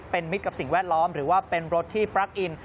เป็นมิตรกับสิ่งแวดล้อมหรือว่าเป็นรถที่ปลั๊กอิน